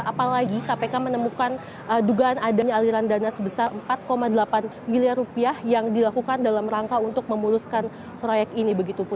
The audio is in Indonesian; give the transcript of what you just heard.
apalagi kpk menemukan dugaan adanya aliran dana sebesar empat delapan miliar rupiah yang dilakukan dalam rangka untuk memuluskan proyek ini